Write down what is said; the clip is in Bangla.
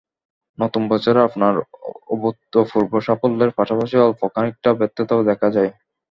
নতুন বছরে আপনার অভূতপূর্ব সাফল্যের পাশাপাশি অল্প খানিকটা ব্যর্থতাও দেখা যায়।